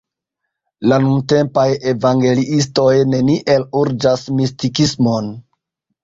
La nuntempaj evangeliistoj neniel urĝas mistikismon.